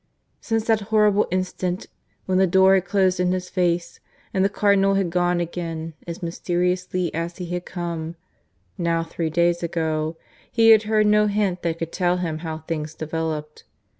Since that horrible instant when the door had closed in his face and the Cardinal had gone again as mysteriously as he had come now three days ago he had heard no hint that could tell him how things developed.